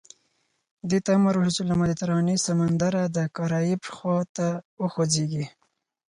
دې ته امر وشو چې له مدیترانې سمندره د کارائیب خوا ته وخوځېږي.